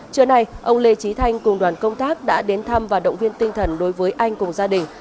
trưa nay ông lê trí thanh cùng đoàn công tác đã đến thăm và động viên tinh thần đối với anh cùng gia đình